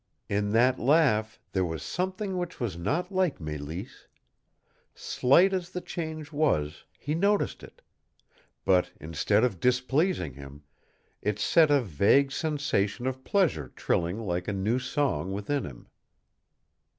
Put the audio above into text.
In that laugh there was something which was not like Mélisse. Slight as the change was, he noticed it; but instead of displeasing him, it set a vague sensation of pleasure trilling like a new song within him.